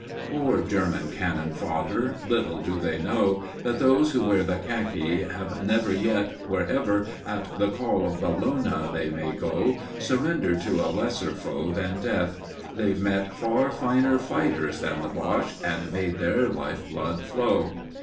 Poor German cannon fodder! Little do they know That those who wear khaki have never yet Wherever, at the call of Bellona, they may go, Surrendered to a lesser foe than Death. They've met Far finer fighters than the Boche, and made their life's blood flow.